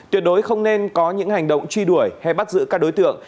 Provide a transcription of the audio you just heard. tuyệt đối không nên có những hành động truy đuổi hay bắt giữ các đối tượng